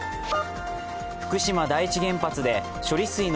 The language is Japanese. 福島第一原発で処理水の